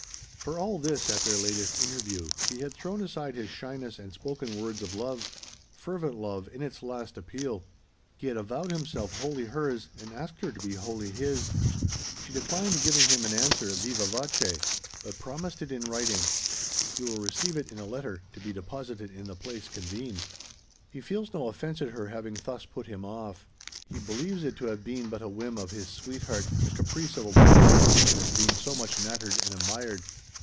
For all this, at their latest interview, he had thrown aside his shyness, and spoken words of love fervent love, in its last appeal. He had avowed himself wholly hers, and asked her to be wholly his. She declined giving him an answer viva voce, but promised it in writing. He will receive it in a letter, to be deposited in the place convened. He feels no offence at her having thus put him off. He believes it to have been but a whim of his sweetheart the caprice of a woman, who has been so much nattered and admired.